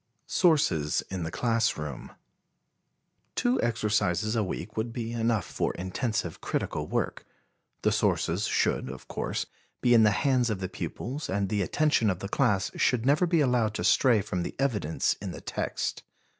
Sources in the Class Room. Two exercises a week would be enough for intensive critical work. The sources should, of course, be in the hands of the pupils and the attention of the class should never be allowed to stray from the evidence in the text.